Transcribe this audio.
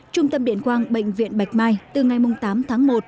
trung tâm điện quang bệnh viện bạch mai từ ngày tám tháng một